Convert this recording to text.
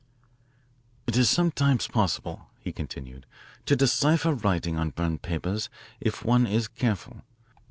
"It is sometimes possible," he continued, "to decipher writing on burned papers if one is careful.